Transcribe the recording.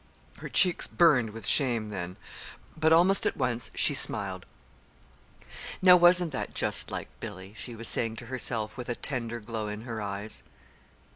Her cheeks burned with shame then. But almost at once she smiled. "Now wasn't that just like Billy?" she was saying to herself, with a tender glow in her eyes.